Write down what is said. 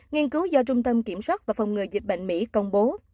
nghiên cứu do trung tâm kiểm soát và phòng ngừa dịch bệnh mỹ công bố